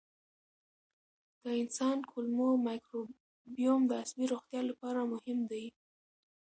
د انسان کولمو مایکروبیوم د عصبي روغتیا لپاره مهم دی.